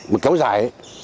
mà kéo dài